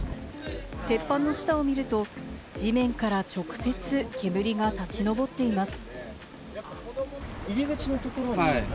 鉄板の下を見ると、地面から直接煙が立ち上っています。